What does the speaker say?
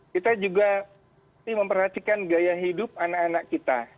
kita juga memperhatikan gaya hidup anak anak kita